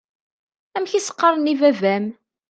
Amek i s-qqaṛen i baba-m?